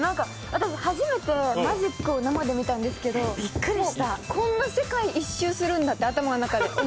私初めてマジックを近くで見たんですけどこんな世界一周するんだって、頭の中。